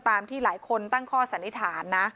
ที่หลายคนตั้งข้อสันนิษฐานนะ